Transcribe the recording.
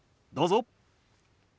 どうぞ。